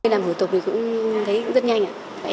làm thủ tục thì cũng thấy rất nhanh